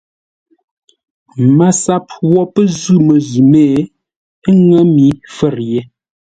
MASAP wo pə́ zʉ̂ məzʉ̂ mé, ə́ ŋə́ mi fə̌r ye.